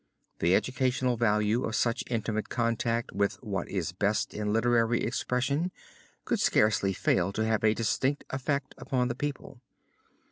The educational value of such intimate contact with what is best in literary expression could scarcely fail to have a distinct effect upon the people.